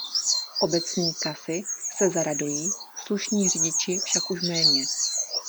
Obecní kasy se zaradují, slušní řidiči však už méně.